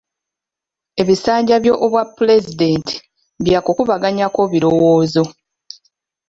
Ebisanja by'obwa pulezidenti byakukubaganyako birowoozo.